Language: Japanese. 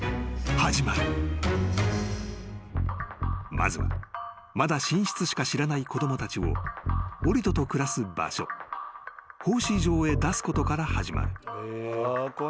［まずはまだ寝室しか知らない子供たちをオリトと暮らす場所放飼場へ出すことから始まる］